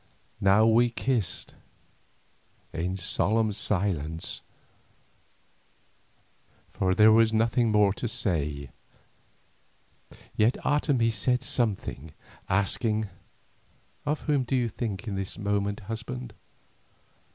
Now we kissed in solemn silence, for there was nothing more to say. Yet Otomie said something, asking: "Of whom do you think in this moment, husband?